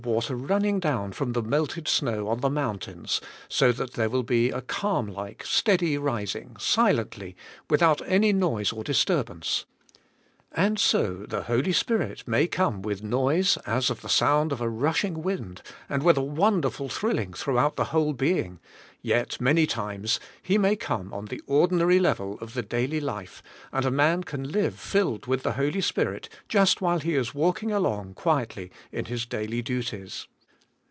Il7 water running down from the melted snow on the mountains, so that there will be a calm like, steady rising , silently, without any noise or disturbance, and so the Holy Spirit Tnay come with noise as of the sound of a rushing wind and with a wonderful thrilling throug hout the whole being , yet, many times, He may come on the ordinary level of the daily life and a man can live filled with the Holy Spirit just while he is walking along quietly in his daily duties.